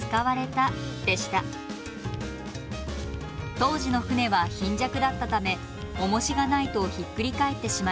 当時の船は貧弱だったため重しがないとひっくり返ってしまいます。